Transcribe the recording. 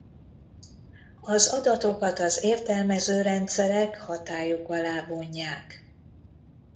Az adatokat az értelmező rendszerek hatályuk alá vonják.